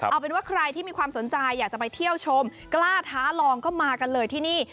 เอาเป็นว่าใครที่มีความสนใจอยากจะไปเที่ยวชมกล้าท้าลองก็มากันเลยที่นี่